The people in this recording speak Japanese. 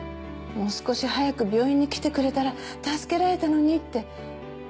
もう少し早く病院に来てくれたら助けられたのにって。